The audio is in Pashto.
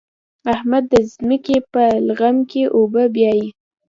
احمد د ځمکې په لغم کې اوبه بيايي.